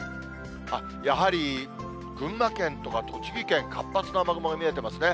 あっ、やはり群馬県とか栃木県、活発な雨雲が見えてますね。